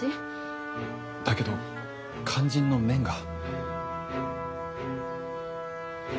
だけど肝心の麺が。